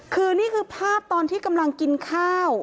คือนี่คือภาพตอนที่กำลังกินข้าว